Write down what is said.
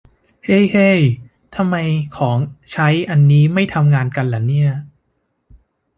เฮ้ เฮ้ ทำไมของใช้อันนี้ไม่ทำงานกันล่ะเนี่ย